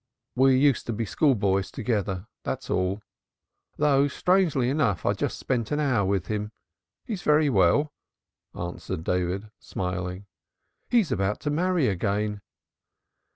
"We used to be schoolboys together, that is all. Though strangely enough I just spent an hour with him. He is very well," answered David smiling. "He is about to marry again."